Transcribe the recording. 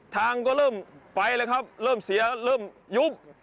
ทางก็เริ่มไปแล้วครับเริ่มเสียเริ่มยุบ